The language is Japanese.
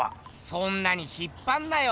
そんなに引っぱんなよ！